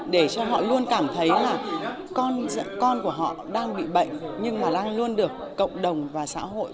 để cho họ luôn cảm thấy là con của họ đang bị bệnh nhưng mà đang luôn được cộng đồng và xã hội